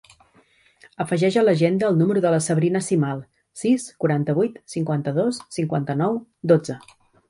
Afegeix a l'agenda el número de la Sabrina Simal: sis, quaranta-vuit, cinquanta-dos, cinquanta-nou, dotze.